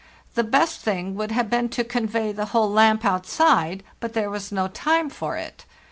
The best thing would have been to convey the whole lamp outside, but there was no time for it.